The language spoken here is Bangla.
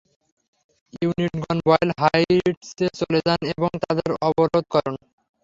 ইউনিটগণ, বয়েল হাইটসে চলে যান এবং তাদের অবরোধ করুন।